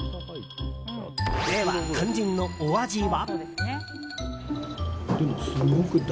では、肝心のお味は？